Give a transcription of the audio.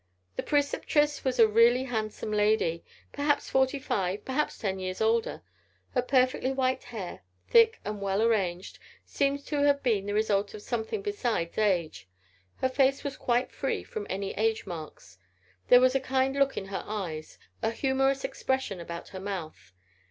The Preceptress was a really handsome lady perhaps forty five, perhaps ten years older. Her perfectly white hair, thick and well arranged, seemed to have been the result of something besides age. Here face was quite free from any age marks. There was a kind look in her eyes; a humorous expression about her mouth.